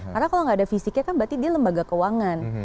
karena kalau gak ada fisiknya kan berarti dia lembaga keuangan